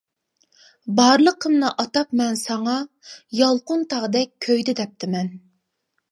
بارلىقىمنى ئاتاپ مەن ساڭا، يالقۇنتاغدەك كۆيدى دەپتىمەن.